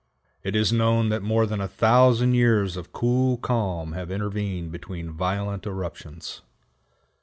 It is known that more than a thousand years of cool calm have intervened between violent eruptions.